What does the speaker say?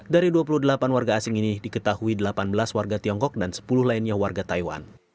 dari dua puluh delapan warga asing ini diketahui delapan belas warga tiongkok dan sepuluh lainnya warga taiwan